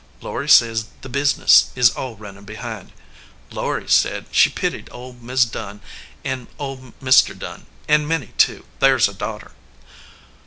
Laury says the business is all runnin behind. Laury said she pitied old Mis Dunn an old Mr. Dunn, an Minnie, too; thar s a daughter.